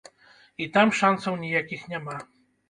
І там шанцаў ніякіх няма.